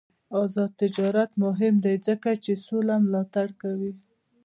آزاد تجارت مهم دی ځکه چې سوله ملاتړ کوي.